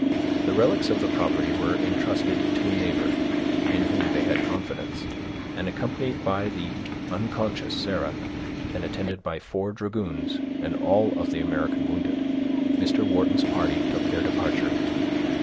The relics of the property were intrusted to a neighbor, in whom they had confidence; and, accompanied by the unconscious Sarah, and attended by four dragoons and all of the American wounded, Mr. Wharton's party took their departure.